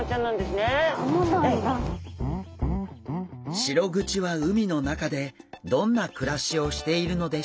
シログチは海の中でどんな暮らしをしているのでしょうか？